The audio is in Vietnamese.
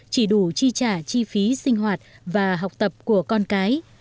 kinh phí sinh hoạt và học tập của con cái